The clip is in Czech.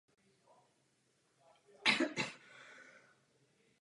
Výšina je posledním vrcholem v severozápadním cípu vrchoviny.